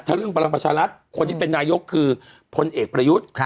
ถ้าเรื่องพลังประชารัฐคนที่เป็นนายกคือพลเอกประยุทธ์